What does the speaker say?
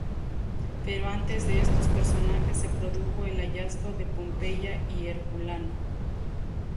Pero antes de estos personajes se produjo el hallazgo de Pompeya y Herculano.